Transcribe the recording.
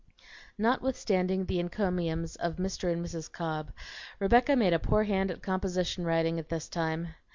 Notwithstanding the encomiums of Mr. and Mrs. Cobb, Rebecca made a poor hand at composition writing at this time.